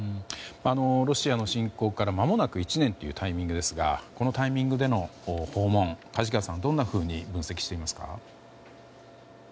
ロシアの侵攻からまもなく１年というタイミングですがこのタイミングでの訪問梶川さん、どんなふうに分析していますか。